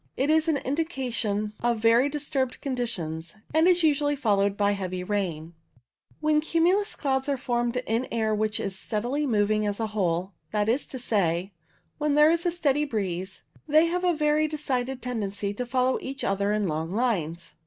It is an indication of very disturbed conditions, and is usually followed by heavy rain. loo CUMULUS When cumulus clouds are formed in air which is steadily moving as a whole, that is to say, when there is a steady breeze, they have a very decided tendency to follow each other in long lines.